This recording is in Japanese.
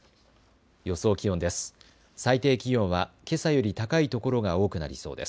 予想気温です。